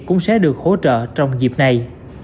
cũng sẽ được hỗ trợ trong dịp này